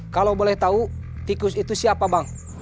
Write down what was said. kalau boleh tahu tikus itu siapa bang